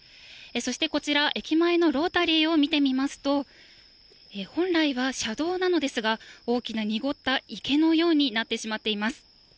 そしてこちら、駅前のロータリーを見てみますと、本来は車道なのですが、大きな濁った池のようになってしまっています。